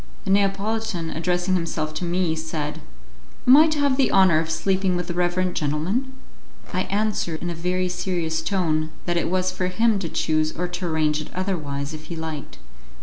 The Neapolitan, addressing himself to me, said, "Am I to have the honour of sleeping with the reverend gentleman?" I answered in a very serious tone that it was for him to choose or to arrange it otherwise, if he liked.